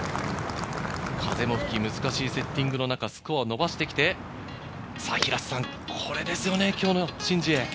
風も吹き、難しいセッティングの中、スコアを伸ばしてきて、これですよね、今日のシン・ジエ。